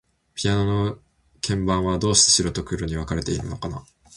ピアノの鍵盤は、どうして白と黒に分かれているのかな。